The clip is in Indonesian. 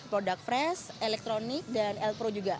produk fresh elektronik dan l pro juga